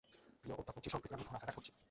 প্রিয় অধ্যাপকজী, সম্প্রতি আমি ঘোরাফেরা করছি।